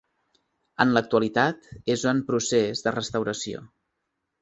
En l'actualitat és en procés de restauració.